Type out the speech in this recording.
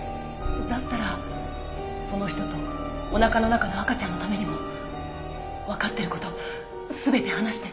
だったらその人とおなかの中の赤ちゃんのためにもわかってる事全て話して。